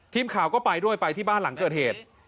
ทีมข่าวก็ไปด้วยไปที่บ้านหลังเกิดเหตุ